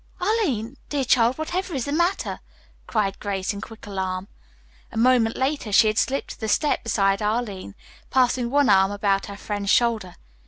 "Arline, dear child, whatever is the matter?" cried Grace in quick alarm. A moment later she had slipped to the step beside Arline, passing one arm about her friend's shoulder.